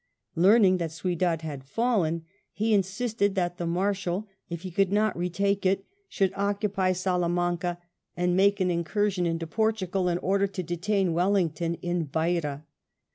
Learning that Ciudad had fallen he insisted that the Marshal, if he could not retake it, should occupy Salamanca and make an incursion into VII SIEGE OF BADAJOS 159 Portugal in order to detain Wellington in Beira.